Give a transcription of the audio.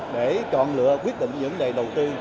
để chọn lựa quyết định những đề đầu tư